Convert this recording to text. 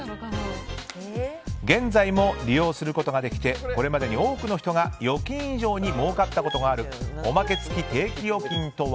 現在も利用することができてこれまでに多くの人が預金以上に儲かったことがあるおまけ付き定期預金とは。